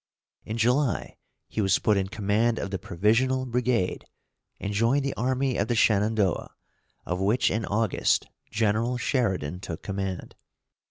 In July, he was put in command of the "Provisional Brigade," and joined the army of the Shenandoah, of which in August General Sheridan took command.